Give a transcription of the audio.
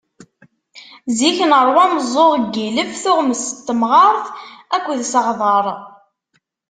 Zik neṛwa ameẓẓuɣ n yilef, tuɣmest n temɣart akked seɣdeṛ.